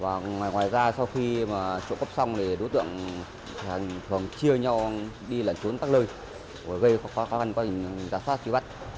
và ngoài ra sau khi trộm cắp xong đối tượng thường chia nhau đi làn trốn tắt lơi gây khó khăn quá trình giả sát trí bắt